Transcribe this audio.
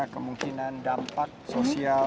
kemungkinan dampak sosial